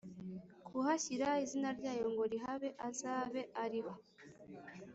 kuhashyira izina ryayo ngo rihabe azabe ari ho